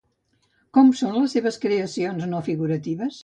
Com són les seves creacions no figuratives?